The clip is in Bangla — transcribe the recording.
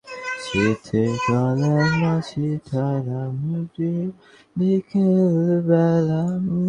আমরা চাই কর্মে পরিণত ধর্ম।